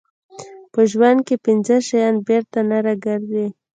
په ژوند کې پنځه شیان بېرته نه راګرځي.